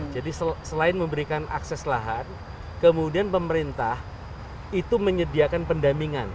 jadi selain memberikan akses lahan kemudian pemerintah itu menyediakan pendamingan